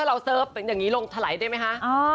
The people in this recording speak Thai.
ถ้าเราเสิร์ฟอย่างงี้ลงถลายได้มั้ยคะ